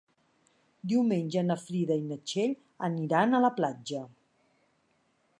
Diumenge na Frida i na Txell aniran a la platja.